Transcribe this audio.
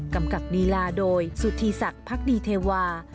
กำกับลีลาโดยสุธีศักดิ์พักดีเทวา